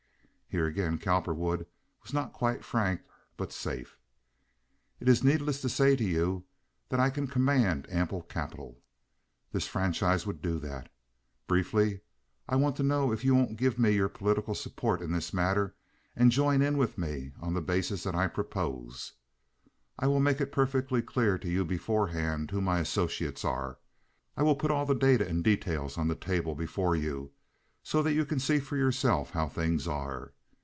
(Here again Cowperwood was not quite frank, but safe.) "It is needless to say to you that I can command ample capital. This franchise would do that. Briefly, I want to know if you won't give me your political support in this matter and join in with me on the basis that I propose? I will make it perfectly clear to you beforehand who my associates are. I will put all the data and details on the table before you so that you can see for yourself how things are.